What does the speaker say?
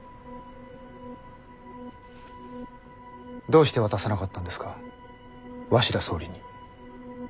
どうして渡さなかったんですか鷲田総理に。